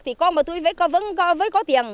thì con bà tôi vẫn có tiền